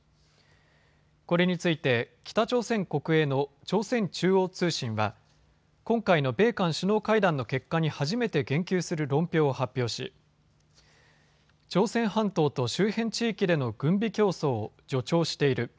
これについて北朝鮮国営の朝鮮中央通信は今回の米韓首脳会談の結果に初めて言及する論評を発表し、朝鮮半島と周辺地域での軍備競争を助長している。